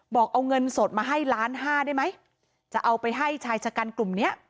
บอกเอาเงินสดมาให้ล้านห้าได้ไหมจะเอาไปให้ชายชะกันกลุ่มเนี้ย